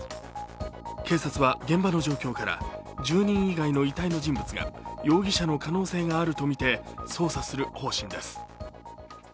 警察は現場の状況から、住人以外の遺体の人物が容疑者の可能性があるとみて捜査する方針です。